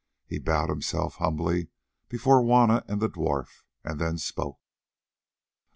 He bowed himself humbly before Juanna and the dwarf and then spoke. "Oh!